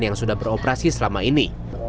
yang sudah beroperasi selama ini